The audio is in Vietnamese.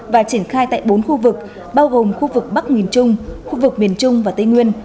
và triển khai tại bốn khu vực bao gồm khu vực bắc miền trung khu vực miền trung và tây nguyên